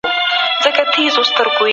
جهادي مشران په بهر کې پیسې زیرمه کړې.